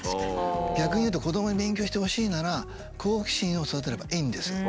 逆にいうと子どもに勉強してほしいなら好奇心を育てればいいんですよ。